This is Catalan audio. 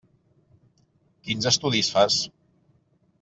Quins estudis fas?